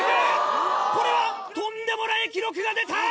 これはとんでもない記録が出た！